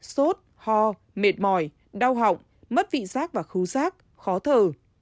sốt ho mệt mỏi đau họng mất vị giác và khu giác khó thở